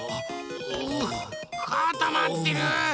うかたまってる。